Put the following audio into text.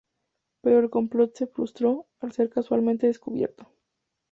Pero el complot se frustró, al ser casualmente descubierto.